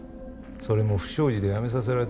それも不祥事で辞めさせられたクチだろ。